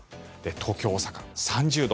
東京、大阪３０度。